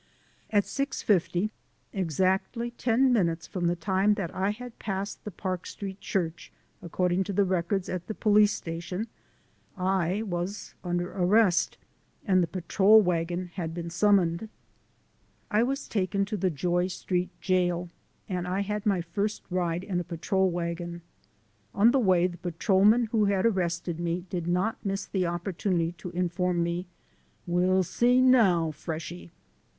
At 6:50, exactly ten minutes from the time that I had passed the Park Street Church, according to the records at the police station I was under arrest and the patrol wagon had been sum moned. I was taken to the Joy Street Jail, and I I GO TO JAIL ONCE MORE 265 had my first ride in a patrol wagon. On the way the patrolman who had arrested me did not miss the opportunity to inform me, "We'll see now, freshy."